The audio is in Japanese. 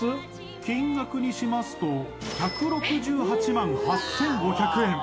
金額にしますと１６８万８５００円。